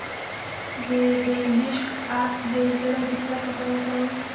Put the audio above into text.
د بیدمشک عرق د زړه د قوت لپاره وکاروئ